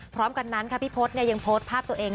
พร้อมกันนั้นค่ะพี่พศยังโพสต์ภาพตัวเอง